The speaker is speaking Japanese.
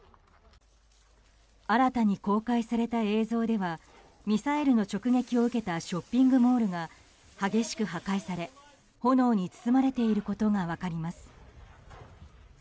新たに公開された映像ではミサイルの直撃を受けたショッピングモールが激しく破壊され炎に包まれていることが分かります。